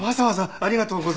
ありがとうございます。